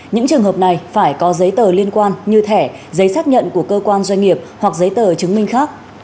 những trường hợp này phải có giấy tờ liên quan như thẻ giấy xác nhận của cơ quan doanh nghiệp hoặc giấy tờ chứng minh khác